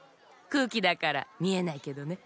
くうきだからみえないけどね。